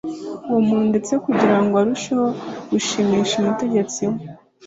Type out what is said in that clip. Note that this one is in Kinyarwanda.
Uwo muntu ndetse, kugira ngo arusheho gushimisha umutegetsi we,